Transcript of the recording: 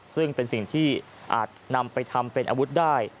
ซึ่งเป็นสิ่งที่อาจนำไปทำเป็นอาวุธได้